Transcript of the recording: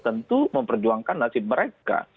tentu memperjuangkan nasib mereka